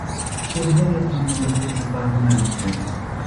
Stwierdzenie to nie dotyczy Parlamentu